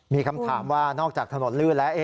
มีคำถามว่านอกจากถนนลื่นแล้ว